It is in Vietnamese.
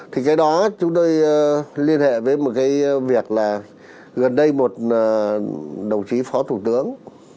thì cái đó chúng tôi liên hệ với một cái việc là gần đây một đồng chí phó thủ tướng